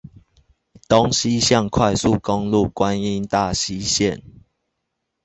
東西向快速公路觀音大溪線